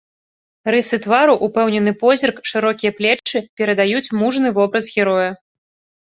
Рысы твару, упэўнены позірк, шырокія плечы перадаюць мужны вобраз героя.